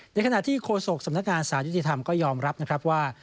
ในขณะที่โฆษกสำนักงานสารยุติธรรมก็ยอมรับนะครับว่า